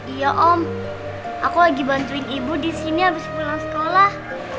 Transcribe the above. iya om aku lagi bantuin ibu di sini abis pulang sekolah